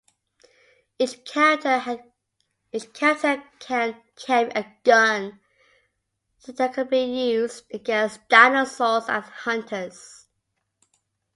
Each character can carry a gun that can be used against dinosaurs and hunters.